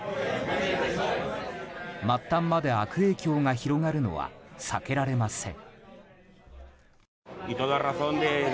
末端まで悪影響が広がるのは避けられません。